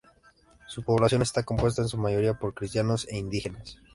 Su población está compuesta en su mayoría por cristianos e indígenas.